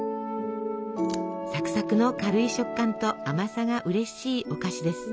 サクサクの軽い食感と甘さがうれしいお菓子です。